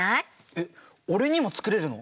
えっ俺にも作れるの？